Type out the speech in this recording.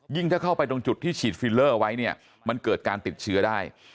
ถ้าเข้าไปตรงจุดที่ฉีดฟิลเลอร์ไว้เนี่ยมันเกิดการติดเชื้อได้